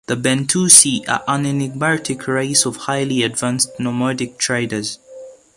The Bentusi are an enigmatic race of highly advanced, nomadic traders.